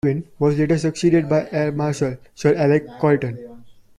Baldwin was later succeeded by Air Marshal Sir Alec Coryton.